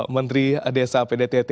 menteri desa pdtt